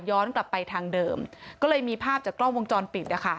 กลับไปทางเดิมก็เลยมีภาพจากกล้องวงจรปิดนะคะ